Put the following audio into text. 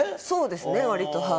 そうですね割と。